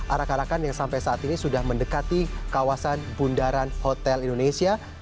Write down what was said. arak arakan yang sampai saat ini sudah mendekati kawasan bundaran hotel indonesia